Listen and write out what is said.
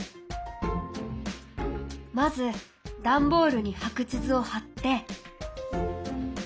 まずダンボールに白地図を貼って！